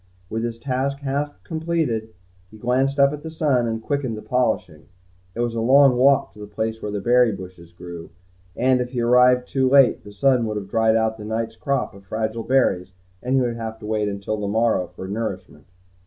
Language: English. With his task half completed, he glanced up at the sun and quickened the polishing. It was a long walk to the place the berry bushes grew, and if he arrived too late, the sun would have dried out the night's crop of fragile berries and he would wait until the morrow for nourishment.